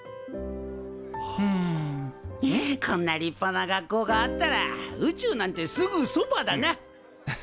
こんな立派な学校があったら宇宙なんてすぐそばだな。